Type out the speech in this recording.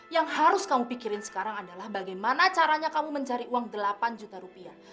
yang harus kamu pikirin sekarang adalah bagaimana caranya kamu mencari uang delapan juta rupiah